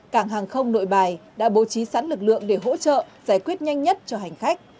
cảng hàng không nội bài đã bố trí sẵn lực lượng để hỗ trợ giải quyết nhanh nhất cho hành khách